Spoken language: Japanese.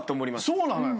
そうなのよ。